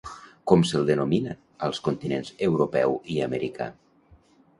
Com se'l denomina als continents europeu i americà?